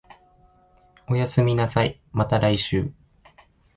おやすみなさい、また来週